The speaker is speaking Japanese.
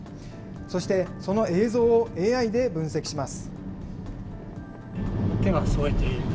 そして、その映像をＡＩで分析します。